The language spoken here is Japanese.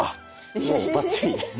もうバッチリ。